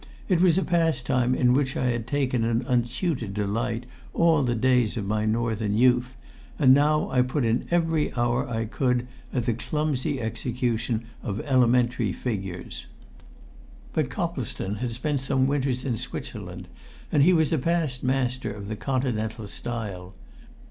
It was a pastime in which I had taken an untutored delight, all the days of my northern youth, and now I put in every hour I could at the clumsy execution of elementary figures. But Coplestone had spent some winters in Switzerland, and he was a past master in the Continental style.